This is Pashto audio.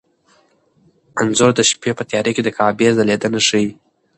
انځور د شپې په تیاره کې د کعبې ځلېدنه ښيي.